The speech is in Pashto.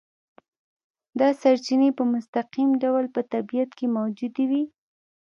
دا سرچینې په مستقیم ډول په طبیعت کې موجودې وي.